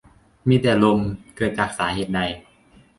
มีแต่ลม เกิดจากสาเหตุใด